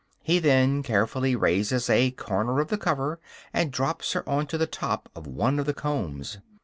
He then carefully raises a corner of the cover, and drops her on to the top of one of the combs.